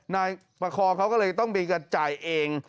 นายประคองเขาก็เลยต้องมีการจ่ายเอง